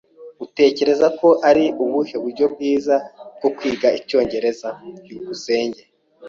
Utekereza ko ari ubuhe buryo bwiza bwo kwiga icyongereza? byukusenge